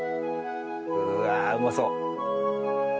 うわあうまそう。